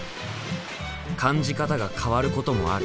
感じ方が変わることもある。